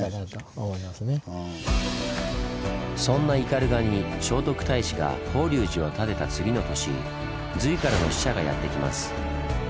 そんな斑鳩に聖徳太子が法隆寺を建てた次の年隋からの使者がやって来ます。